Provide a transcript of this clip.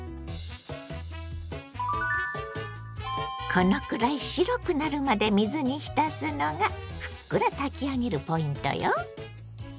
このくらい白くなるまで水に浸すのがふっくら炊き上げるポイントよ。